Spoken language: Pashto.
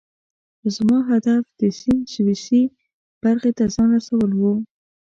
خو زما هدف د سیند سویسی برخې ته ځان رسول وو.